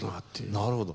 なるほど。